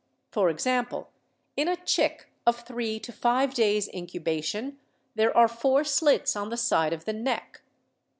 For example, in a chick of three to five days' incubation there are four slits on the side of the neck.